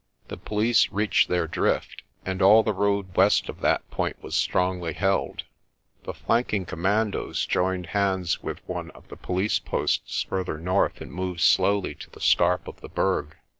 The police reached their drift, and all the road west of that point was strongly held. The flanking commandoes joined hands with one of the police posts further north and moved slowly to the scarp of the Berg.